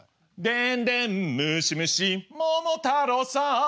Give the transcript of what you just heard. でんでんむしむし桃太郎さん